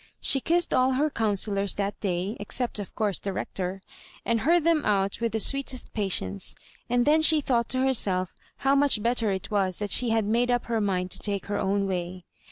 She kissed all her counsel lors that day (except, of course, the Rector), and heard them out with the sweetest patience ; and then she thought to berself how much better it was that she had made up her mind to take her own way.